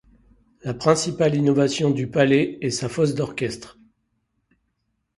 La principale innovation du Palais est sa fosse d'orchestre.